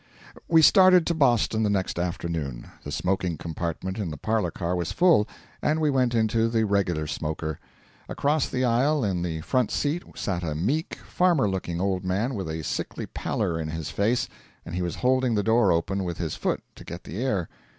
We started to Boston the next afternoon. The smoking compartment in the parlour car was full, and he went into the regular smoker. Across the aisle in the front seat sat a meek, farmer looking old man with a sickly pallor in his face, and he was holding the door open with his foot to get the air.